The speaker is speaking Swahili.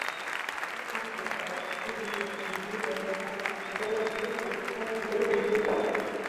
ardhi kwa ajili ya kilimo na ufugaji Ricardo Mello